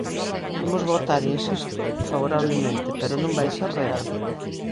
Imos votar –insisto– favorablemente, pero non vai ser real.